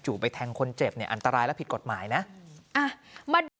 ไปแทงคนเจ็บเนี่ยอันตรายและผิดกฎหมายนะมาดู